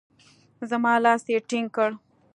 زما لاس يې ټينګ کړ.